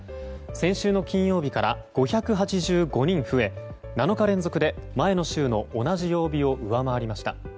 先週の金曜日から５８５人増え７日連続で前の週の同じ曜日を上回りました。